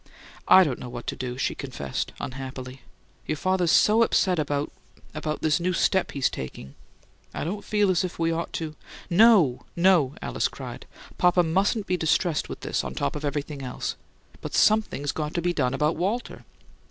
"I don't know what to do," she confessed, unhappily. "Your father's so upset about about this new step he's taking I don't feel as if we ought to " "No, no!" Alice cried. "Papa mustn't be distressed with this, on top of everything else. But SOMETHING'S got to be done about Walter."